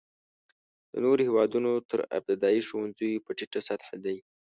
د نورو هېوادونو تر ابتدایه ښوونځیو په ټیټه سطحه دی.